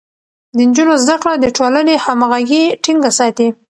د نجونو زده کړه د ټولنې همغږي ټينګه ساتي.